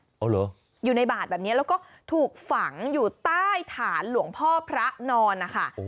เอาเหรออยู่ในบาทแบบนี้แล้วก็ถูกฝังอยู่ใต้ฐานหลวงพ่อพระนอนนะคะ